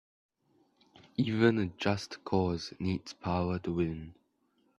Even a just cause needs power to win.